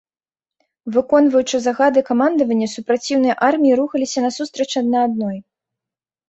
Выконваючы загады камандавання, супраціўныя арміі рухаліся насустрач адна адной.